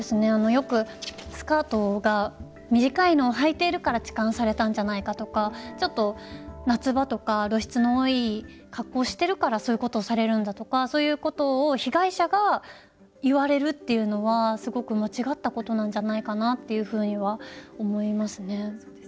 よくスカートが短いのをはいているから痴漢されたんじゃないかとかちょっと、夏場とか露出の多い格好をしてるからそういうことをされるんだとかそういうことを被害者が言われるっていうのはすごく間違ったことなんじゃないかなというふうには思います。